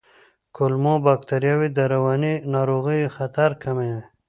کولمو بکتریاوې د رواني ناروغیو خطر کموي.